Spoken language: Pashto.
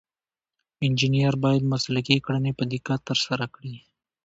انجینر باید مسلکي کړنې په دقت ترسره کړي.